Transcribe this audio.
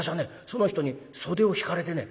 その人に袖を引かれてね